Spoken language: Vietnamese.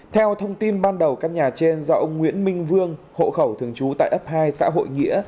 theo thông tin ban đầu căn nhà trên do ông nguyễn minh vương hộ khẩu thường trú tại ấp hai xã hội nghĩa